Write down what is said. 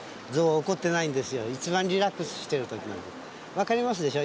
分かりますでしょ？